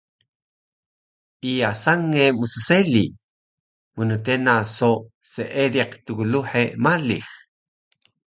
Iya sange msseli, mntena so seediq tgluhe malix